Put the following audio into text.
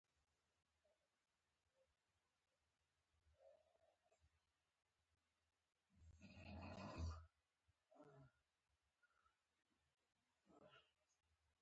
تاسو د کریډیټ کارتونو پروسس کولو یوې وسیلې ته اړتیا لرئ